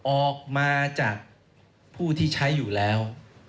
ออกมาจากผู้ที่ใช้อยู่แล้ว